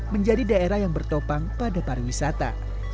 menjadi daerah yang bertopang pada para wisata